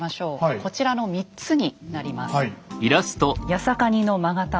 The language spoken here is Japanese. こちらの三つになります。